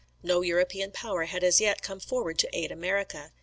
No European power had as yet come forward to aid America.